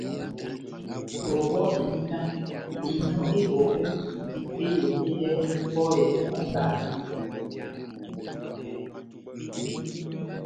Ngɔbɔ endi náh: Inɔ ebɔbu ndi eyomwidɛ pɔhɛ ó mbana